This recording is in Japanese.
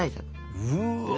うわ！